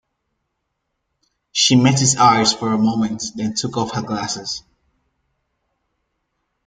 She met his eyes for a moment, then took off her glasses.